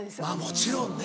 もちろんね。